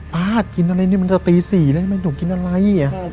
ป้ากินอะไรมันก็ตี๔เลยหนูกินอะไร